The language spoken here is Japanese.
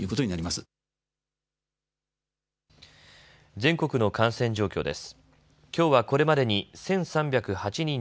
全国の感染状況です。